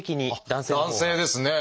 男性ですね！